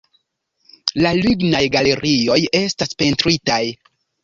La lignaj galerioj estas pentritaj.